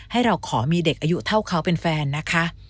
ให้เราขอมีเด็กอายุเท่าเขาเป็นแฟนนะคะ